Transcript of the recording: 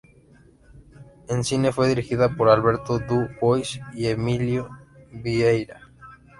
En cine fue dirigida por Alberto Du Bois y Emilio Vieyra.